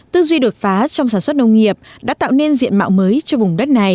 tư duy đột phá trong sản xuất nông nghiệp đã tạo nên diện mạo mới cho vùng đất này